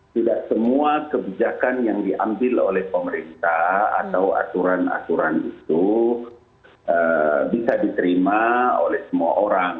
tidak semua kebijakan yang diambil oleh pemerintah atau aturan aturan itu bisa diterima oleh semua orang